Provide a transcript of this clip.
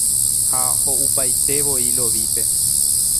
Ha ho'upaitevoi Lovípe.